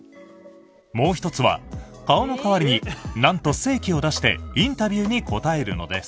もう一つは顔の代わりになんと性器を出してインタビューに答えるのです。